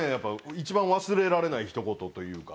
一番忘れられないひと言というか。